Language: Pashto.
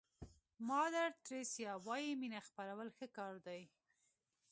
مادر تریسیا وایي مینه خپرول ښه کار دی.